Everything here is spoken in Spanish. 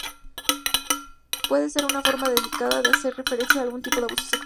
Puede ser una forma delicada de hacer referencia a algún tipo de abuso sexual.